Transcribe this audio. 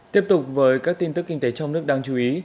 tiếp tục với các tin tức kinh tế trong nước đáng chú ý